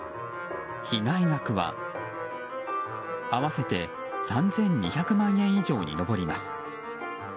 被害額は合わせて３２００万円以上に上ります。